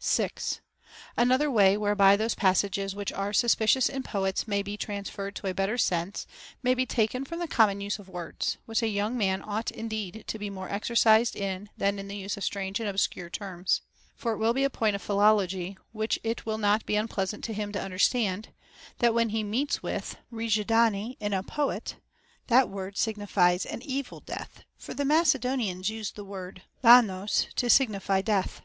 6. Another way whereby those passages which are sus picious in poets may be transferred to a better sense may * Theognis, vss. 177, 178. t Odyss. IV. 197 ; II. XXIV. 526. 60 HOW A YOUNG MAN OUGHT be taken from the common use of words, which a young man ought indeed to be more exercised in than in the use of strange and obscure terms. For it will be a point of philology which it will not be unpleasant to him to under stand, that when he meets with όιγεδανή in a poet, that word signifies an evil death; for the Macedonians use the word davog to signify death.